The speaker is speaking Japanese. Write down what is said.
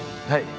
はい。